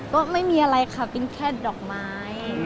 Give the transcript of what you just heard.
ก็ไม่มีอะไรค่ะเป็นแค่ดอกไม้